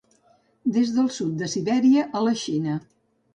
Des del sud de Sibèria a la Xina.